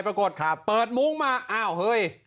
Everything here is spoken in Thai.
ปรากฏเปิดมุ้งมาอ้าวเฮ้ย